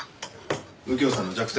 右京さんの弱点